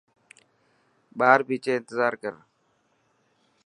ٻار ڀيچي انتظار ڪر.